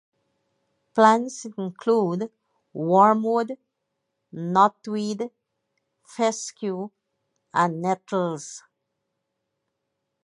Plants include wormwood, knotweed, fescue and nettles.